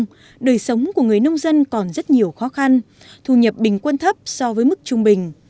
nhưng đời sống của người nông dân còn rất nhiều khó khăn thu nhập bình quân thấp so với mức trung bình